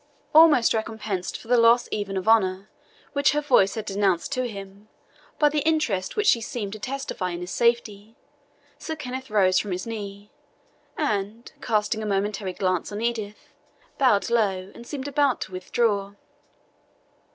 Almost recompensed for the loss even of honour, which her voice had denounced to him, by the interest which she seemed to testify in his safety, Sir Kenneth rose from his knee, and, casting a momentary glance on Edith, bowed low, and seemed about to withdraw.